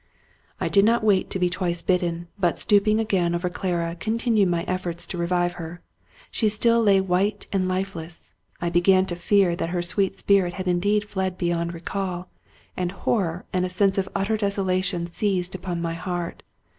I did not wait to be twice bidden; but, stooping again over Clara, continued my efforts to revive her. She still lay white and lifeless ; I began to fear that her sweet spirit had indeed fled beyond recall, and horror and a sense of utter desolation seized upon my heart.